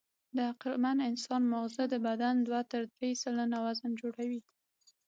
د عقلمن انسان ماغزه د بدن دوه تر درې سلنه وزن جوړوي.